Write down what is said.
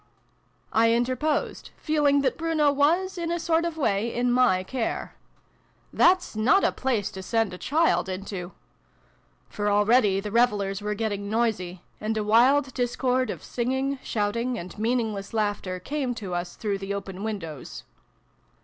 I interposed, feeling that Bruno was, in a sort of way, in my care. "That's not a place to send a child into." For already the revelers were getting noisy : and a wild discord of singing, shouting, and meaningless laughter came to us through the open windows.